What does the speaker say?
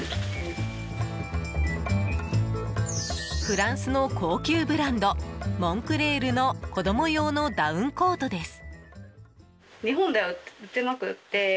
フランスの高級ブランドモンクレールの子供用のダウンコートです。